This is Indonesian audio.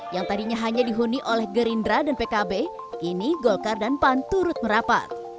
yang tadinya hanya dihuni oleh gerindra dan pkb kini golkar dan pan turut merapat